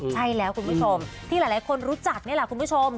ใช่แล้วคุณผู้ชมที่หลายคนรู้จักนี่แหละคุณผู้ชม